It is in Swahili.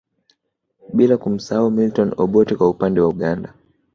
Bila kumsahau Milton Obote kwa upande wa Uganda